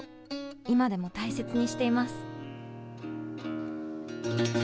今でも大切にしています。